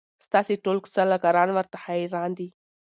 ستاسي ټول سلاکاران ورته حیران دي